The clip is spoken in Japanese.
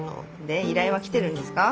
で依頼は来てるんですか？